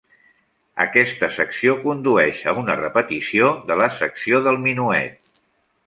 Aquesta secció condueix a una repetició de la secció del minuet.